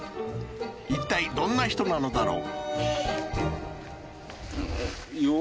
いったいどんな人なのだろう？